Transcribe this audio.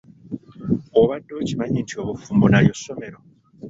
Obadde okimanyi nti obufumbo nalyo ssomero?